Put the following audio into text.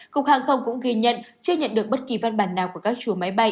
cục hàng không cũng ghi nhận chưa nhận được bất kỳ văn bản nào của các chủ máy bay